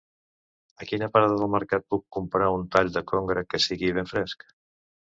A quina parada del mercat puc comprar un tall de congre que sigui ben fresc?